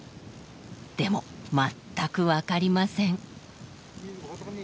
でも全く分かりません。